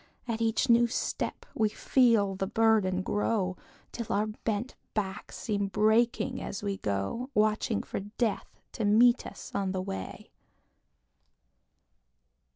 At each new step we feel the burden grow, Till our bent backs seem breaking as we go, Watching for Death to meet us on the way.